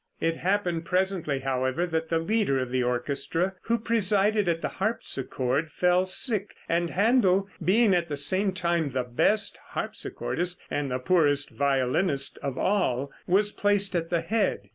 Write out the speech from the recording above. It happened presently, however, that the leader of the orchestra, who presided at the harpsichord, fell sick, and Händel, being at the same time the best harpsichordist and the poorest violinist of all, was placed at the head.